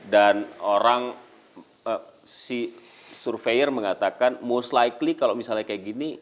dan orang si survei mengatakan most likely kalau misalnya kayak gini